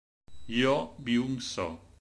Yoo Byung-soo